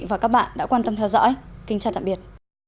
và các bạn đã quan tâm theo dõi kính chào tạm biệt